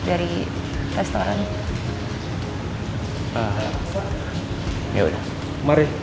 enggak enggak enggak enggak enggak enggak enggak enggak enggak enggak enggak enggak enggak enggak enggak enggak vak kita ke kamar dulu yuk jetzt